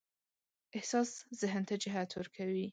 احساس ذهن ته جهت ورکوي.